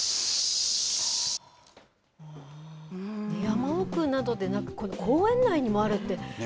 山奥などでなく、公園内にもあるって。